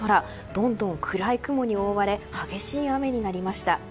どんどん暗い雲に覆われ激しい雨になりました。